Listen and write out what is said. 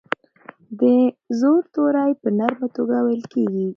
د زور توری په نرمه توګه ویل کیږي.